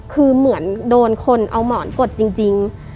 คือเหมือนโดนคนเอาหมอนกดจริง